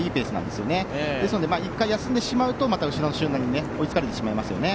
ですので１回休んでしまうとまた後ろの集団に追いつかれてしまいますよね。